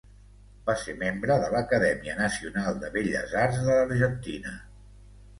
Va ser membre de l'Acadèmia Nacional de Belles arts de l'Argentina.